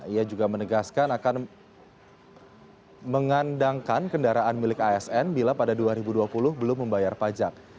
ia juga menegaskan akan mengandangkan kendaraan milik asn bila pada dua ribu dua puluh belum membayar pajak